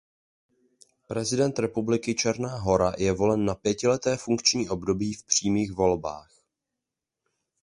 Prezident Republiky Černá Hora je volen na pětileté funkční období v přímých volbách.